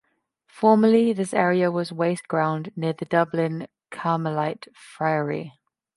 Formerly this area was waste ground near the Dublin Carmelite Friary.